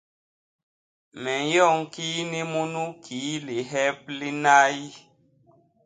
Me nyoñ kini munu kii lihep li nay.